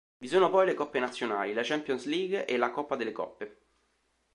Vi sono poi le coppe nazionali, la Champions League e la Coppa delle Coppe.